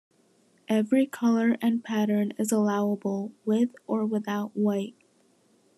Every color and pattern is allowable, with or without white.